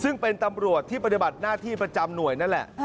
ซึ่งเป็นตำรวจที่ปฏิบัติหน้าที่ประจำหน่วยนั่นแหละ